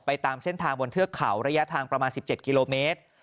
ตามเส้นทางบนเทือกเขาระยะทางประมาณ๑๗กิโลเมตร